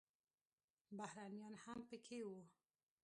بهرنیان هم پکې وو.